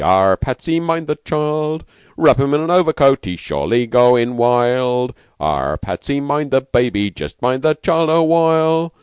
Arrah, Patsy, mind the child! Wrap him up in an overcoat, he's surely goin' wild! Arrah, Patsy, mind the baby; just ye mind the child awhile!